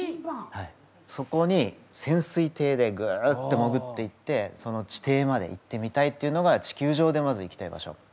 そこに潜水艇でグッてもぐっていってその地底まで行ってみたいっていうのが地球上でまず行きたい場所。